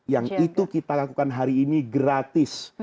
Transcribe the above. yang itu kita lakukan hari ini gratis